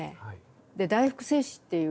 で「大福製紙」っていう。